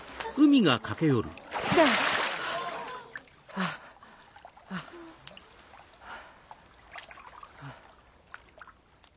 ハァハァハァ。